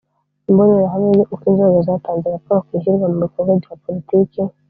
imbonerahamwe yo uko inzego zatanze raporo ku ishyirwa mu bikorwa rya politiki